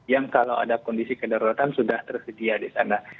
yang kalau ada kondisi kedaruratan sudah tersedia di sana